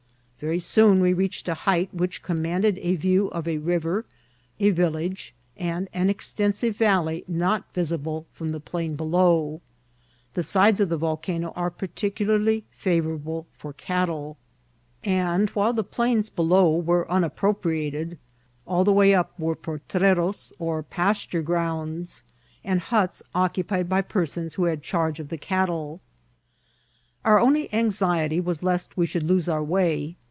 Very soon we reached a height which com manded a view of a river, a village, and an extensive valley not visible from the plain below. The sides of the volcano are particularly favourable for cattle; and 9M • INCISXMTS OF TEATSL. while the plains below were iiiia{qpropriated, all the way up were potreroe or paature groundsi and huts occu pied by persons who had charge oi the cattle. Our only anxiety was lest we should lose our way.